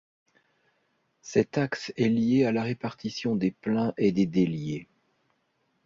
Cet axe est lié à la répartition des pleins et des déliés.